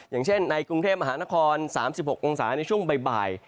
อย่างเช่นในกรุงเทพมหานคร๓๖องศาในช่วงบ่าย